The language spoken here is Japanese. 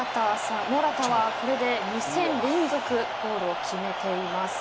モラタはこれで２戦連続ゴールを決めています。